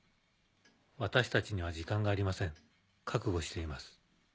私たちには時間がありません覚悟しています。